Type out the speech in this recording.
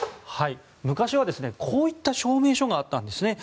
昔はこういった証明書があったんです。